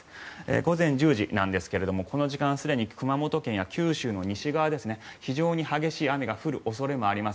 午前１０時なんですがこの時間はすでに熊本県や九州の西側で非常に激しい雨が降る恐れがあります。